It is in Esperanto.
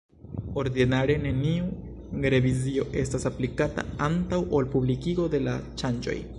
Ordinare neniu revizio estas aplikata antaŭ ol publikigo de la ŝanĝoj.